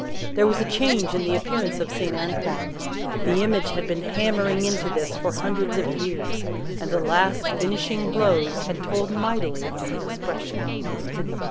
There was a change in the appearance of Saint Antoine; the image had been hammering into this for hundreds of years, and the last finishing blows had told mightily on the expression.